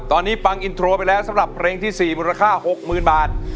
พี่บ้างอินโทรไปแล้วสำหรับเพลงที่สี่มูลค่าหกหมื่นบาท